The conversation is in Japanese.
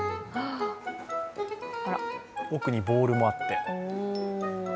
奥にボールもあって。